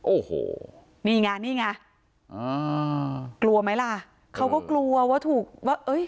โอ้โหนี่ไงนี่ไงอ่ากลัวไหมล่ะเขาก็กลัวว่าถูกว่าเอ้ย